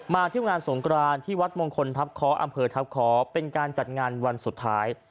เที่ยวงานสงกรานที่วัดมงคลทัพคออำเภอทัพค้อเป็นการจัดงานวันสุดท้าย